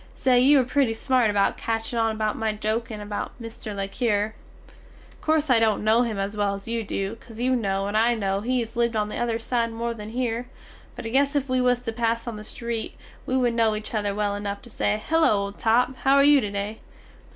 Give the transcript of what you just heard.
Say you were pretty smart about catching on about my jokin about Mr. le Cure. Corse I dont no him as well as you do, caus you no and I no he has lived on the other side more than hear, but I guess if we was to pass on the street, we wood no each other well enuf to say, Hello, old top, how are you to day?